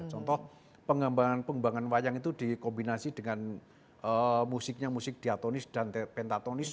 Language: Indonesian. contoh pengembangan pengembangan wayang itu dikombinasi dengan musiknya musik diatonis dan pentatonis